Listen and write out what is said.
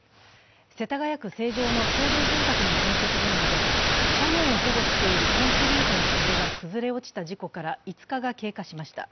世田谷区成城の共同住宅の建設現場で斜面を保護しているコンクリートの壁が崩れ落ちた事故から５日が経過しました。